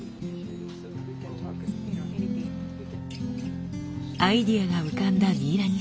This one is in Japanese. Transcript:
アイデアが浮かんだミイラニさん。